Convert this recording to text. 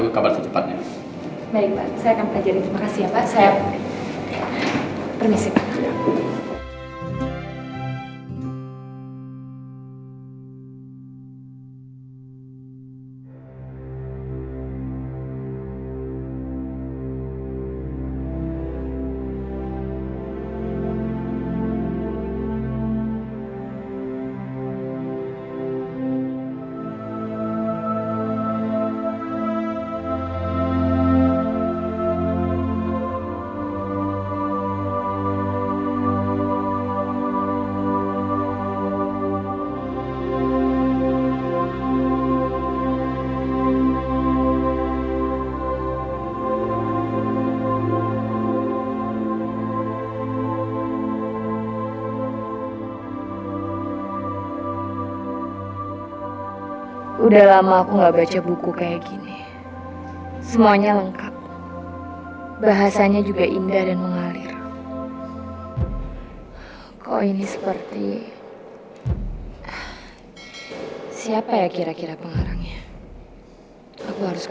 menciptakan buku buku yang baiknya